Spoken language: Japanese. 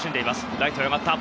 ライトへ上がった。